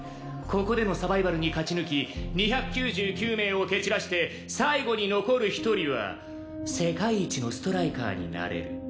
ここでのサバイバルに勝ち抜き２９９名を蹴散らして最後に残る一人は世界一のストライカーになれる。